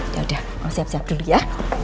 ya udah siap siap dulu ya